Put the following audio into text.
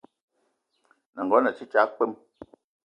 N’nagono a te tsag kpwem.